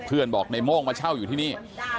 บอกในโม่งมาเช่าอยู่ที่นี่